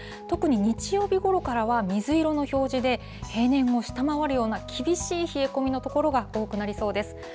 特に日曜日ごろからは、水色の表示で平年を下回るような厳しい冷え込みの所が多くなりそうです。